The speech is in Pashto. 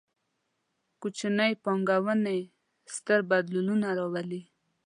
کوچنۍ پانګونې، ستر بدلونونه راولي